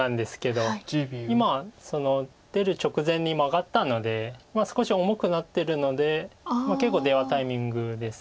今その出る直前にマガったので少し重くなってるので結構出はタイミングです。